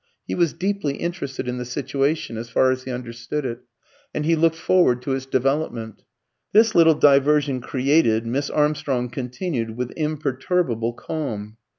He was deeply interested in the situation as far as he understood it, and he looked forward to its development. This little diversion created, Miss Armstrong continued with imperturbable calm.